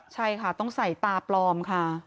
ใช่ค่ะต้องใส่ตาปลอมค่ะ